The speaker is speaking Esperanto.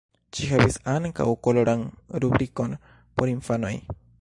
Ĝi havis ankaŭ koloran rubrikon por infanoj.